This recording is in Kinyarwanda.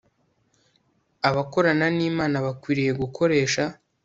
Abakorana nImana bakwiriye gukoresha